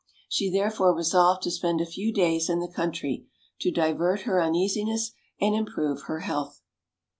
She therefore resolved to spend a few days in the country, to divert her uneasiness and im prove her health.